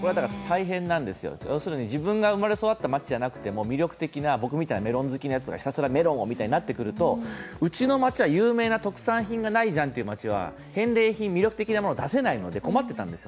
大変なんですよ、要するに自分が生まれ育った町じゃなくても魅力的な僕みたいなメロン好きなやつが、ひたすらメロンをみたいになってくると、うちの町は有名な特産品がないじゃんという町は返礼品、魅力的なものを出せないので困ってたんですよ。